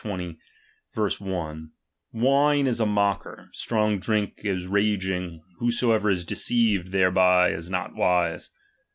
1 : Wine is a mocker, strong drink is raging, whosoever is deceived thereby is not wise.